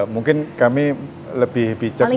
mungkin kami lebih bijak